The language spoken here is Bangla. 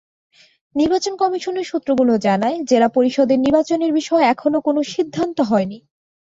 নির্বাচন কমিশনের সূত্রগুলো জানায়, জেলা পরিষদের নির্বাচনের বিষয়ে এখনো কোনো সিদ্ধান্ত হয়নি।